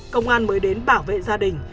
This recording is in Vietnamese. công an mới đến bảo vệ gia đình